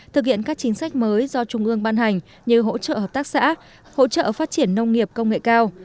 thực hiện các chính sách mới do trung ương ban hành như hỗ trợ hợp tác xã hỗ trợ phát triển nông nghiệp công nghệ cao